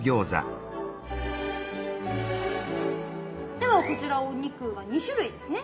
ではこちらお肉が２種類ですね。